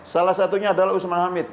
salah satunya adalah usman hamid